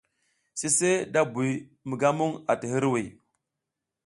Sise da buy mi ga muƞ ati hiriwiy.